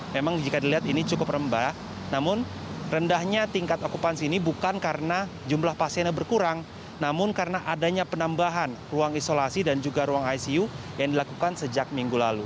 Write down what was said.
memang jika dilihat ini cukup rendah namun rendahnya tingkat okupansi ini bukan karena jumlah pasiennya berkurang namun karena adanya penambahan ruang isolasi dan juga ruang icu yang dilakukan sejak minggu lalu